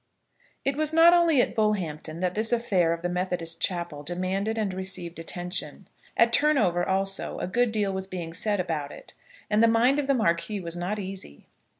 It was not only at Bullhampton that this affair of the Methodist chapel demanded and received attention. At Turnover also a good deal was being said about it, and the mind of the Marquis was not easy.